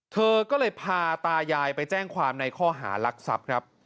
เธอก็เลยพาตายายไปแจ้งความในข้อหารักทรัพย์ครับ